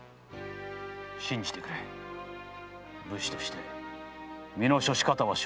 信じてくれ武士として身の処し方は承知している。